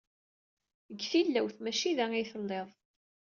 Deg tilawt, maci da ay tellid.